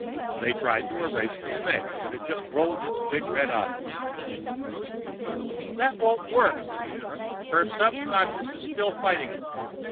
They tried to erase the snake, but it just rolled its big red eyes. "That won't work," said Vera. "Her subconscious is still fighting us.